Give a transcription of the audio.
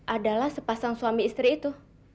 adalah sepasang suami istri itu